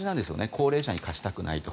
高齢者に貸したくないと。